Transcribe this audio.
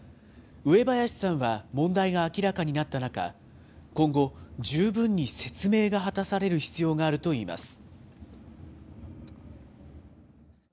上林さんは問題が明らかになった中、今後、十分に説明が果たされる必要があるといいます。